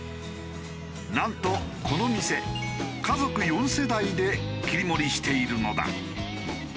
なんとこの店家族４世代で切り盛りしているのだ。